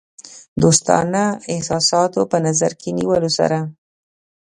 دوستانه احساساتو په نظر کې نیولو سره.